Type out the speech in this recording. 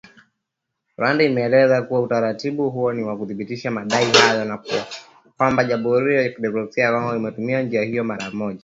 Rwanda imeeleza kuwa utaratibu huu ni wa kuthibitisha madai hayo na kwamba Jamhuri ya Kidemokrasia ya Kongo ingetumia njia hiyo mara moja